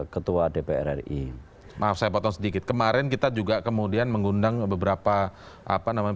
ketua dpr ri maaf saya potong sedikit kemarin kita juga kemudian mengundang beberapa apa namanya